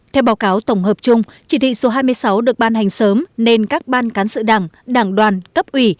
theo báo cáo tổng hợp chung chỉ thị số hai mươi sáu được ban hành sớm nên các ban cán sự đảng đảng đoàn cấp ủy